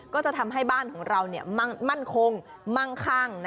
ก็จะทำให้บ้านของเรามั่นคงมั่งคั่ง